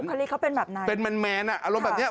บุคคลีเขาเป็นแบบไหนเป็นแมนอารมณ์แบบนี้